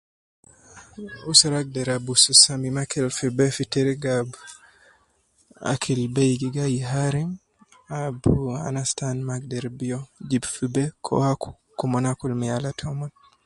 Usra agder aburu samim akil fi bee fi teriga ab akil gi gayi beyi hari ab anas taan maa agder biyo jib fi bee ke owa komon akul me yal taumon